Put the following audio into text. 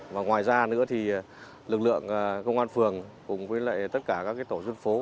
và ngoài ra nữa thì lực lượng công an phường cùng với tất cả các tổ dân phố